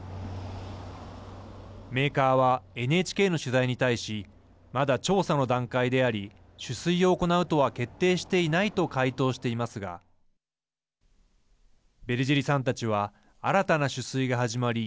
メーカーはＮＨＫの取材に対しまだ調査の段階であり取水を行うとは決定していないと回答していますがベルジェリさんたちは新たな取水が始まり